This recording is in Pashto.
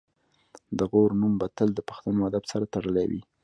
د غور نوم به تل د پښتو ادب سره تړلی وي